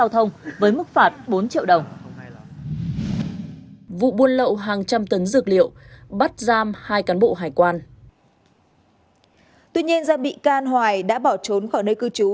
tuy nhiên do bị can hoài đã bỏ trốn khỏi nơi cư trú